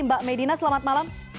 mbak meidina selamat malam